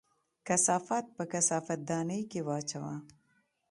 کثافات په کثافت دانۍ کې واچوه